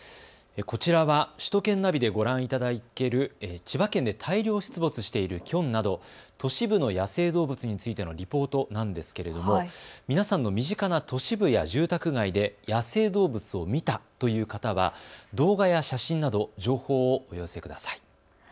こちらは首都圏ナビでご覧いただける千葉県で大量出没しているキョンなど都市部の野生動物についてのリポートなんですけれども皆さんの身近な都市部や住宅街で野生動物を見たという方は動画や写真など情報をお寄せください。